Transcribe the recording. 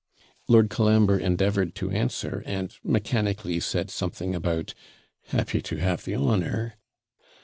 Lord Colambre endeavoured to answer, and mechanically said something about, 'happy to have the honour.'